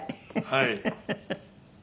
はい。